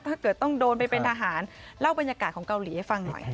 ถ้าเกิดต้องโดนไปเป็นทหารเล่าบรรยากาศของเกาหลีให้ฟังหน่อย